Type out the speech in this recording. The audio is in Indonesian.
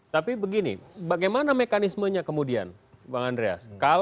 tapi begini bagaimana mekanismenya kemudian bang andreas